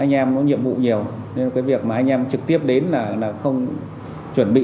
anh em có nhiệm vụ nhiều nên cái việc mà anh em trực tiếp đến là không chuẩn bị